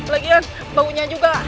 lagian baunya juga